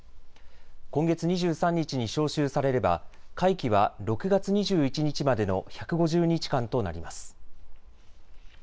今月２３日に召集されれば会期は６月２１日までの１５０日間となります。